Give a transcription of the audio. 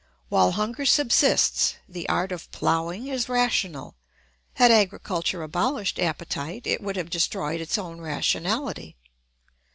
While hunger subsists the art of ploughing is rational; had agriculture abolished appetite it would have destroyed its own rationality.